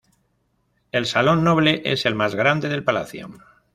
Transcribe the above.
El salón noble es el más grande del palacio.